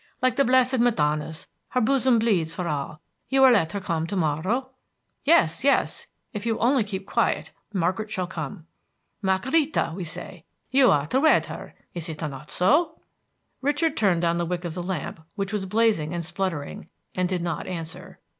Like the blessed Madonna's, her bosom bleeds for all! You will let her come to morrow?" "Yes, yes! If you will only keep quiet, Margaret shall come." "Margherita, we say. You are to wed her, is it not so?" Richard turned down the wick of the lamp, which was blazing and spluttering, and did not answer.